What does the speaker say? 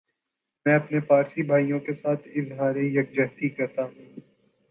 میں اپنے پارسی بھائیوں کیساتھ اظہار یک جہتی کرتا ھوں